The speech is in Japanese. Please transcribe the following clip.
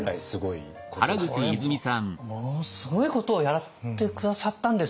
これもうものすごいことをやって下さったんですよ。